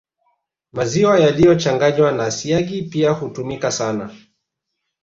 Maziwa yaliyochanganywa na siagi pia hutumika sana